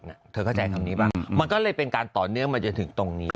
เธอเข้าใจคำนี้ป่ะมันก็เลยเป็นการต่อเนื่องมาจนถึงตรงนี้